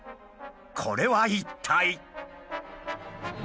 これは一体？